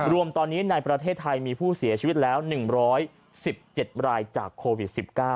รวมตอนนี้ในประเทศไทยมีผู้เสียชีวิตแล้ว๑๑๗รายจากโควิด๑๙